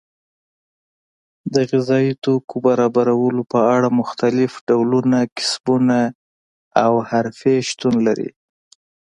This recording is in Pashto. د غذایي توکو برابرولو په اړه مختلف ډول کسبونه او حرفې شتون لري.